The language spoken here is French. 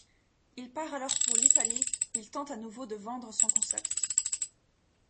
Il part alors pour l'Italie où il tente à nouveau de vendre son concept.